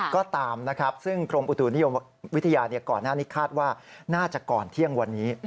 ก็ตามนะครับซึ่งกรมอุตุนิยมวิทยาก่อนหน้านี้คาดว่าน่าจะก่อนเที่ยงวันนี้